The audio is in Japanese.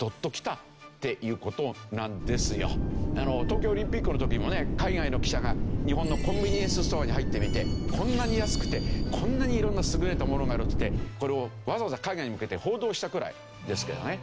東京オリンピックの時もね海外の記者が日本のコンビニエンスストアに入ってみて「こんなに安くてこんなに色んな優れた物がある」っていってこれをわざわざ海外に向けて報道したくらいですからね。